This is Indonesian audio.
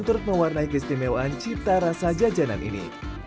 turut mewarnai kesemua cipta rasa jajanan ini